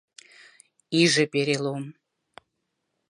Иже перелом